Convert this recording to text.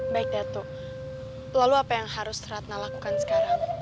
baik datu lalu apa yang harus ratna lakukan sekarang